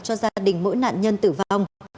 cho gia đình mỗi nạn nhân tử vong